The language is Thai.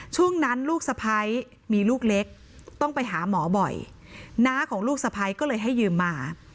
ช่วงนั้นลูกสะพ้ายมีลูกเล็กต้องไปหาหมอบ่อยน้าของลูกสะพ้ายก็เลยให้ยืมมา